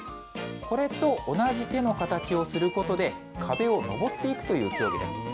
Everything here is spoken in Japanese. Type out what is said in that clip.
これと同じ手の形をすることで、壁を登っていくという競技です。